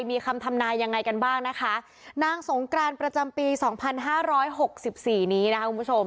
มีคำทำนายยังไงกันบ้างนะคะนางสงกรานประจำปีสองพันห้าร้อยหกสิบสี่นี้นะคะคุณผู้ชม